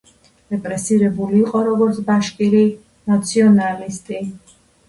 რეპრესირებული იყო, როგორც „ბაშკირი ნაციონალისტი“.